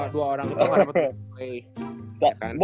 dua orang itu nggak dapat play